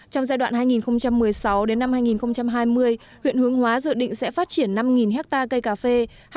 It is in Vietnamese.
trong giai đoạn hai nghìn một mươi sáu hai nghìn hai mươi huyện hướng hóa dự định sẽ phát triển năm hectare cây cà phê